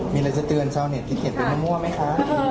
มีอะไรจะเตือนเขาเชื้อเลขกลิ้นอันว่าไหมคะ